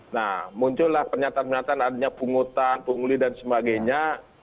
nah muncullah pernyataan pernyataan adanya pungutan pungli dan sebagainya